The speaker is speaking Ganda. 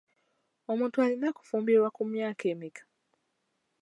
Omuntu alina kufumbirwa ku myaka emeka?